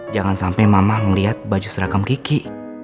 jangan sampe mama ngeliat baju seragam kiki